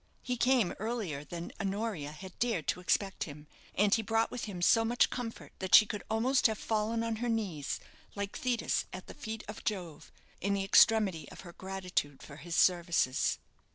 He came earlier than Honoria had dared to expect him, and he brought with him so much comfort that she could almost have fallen on her knees, like Thetis at the feet of Jove, in the extremity of her gratitude for his services.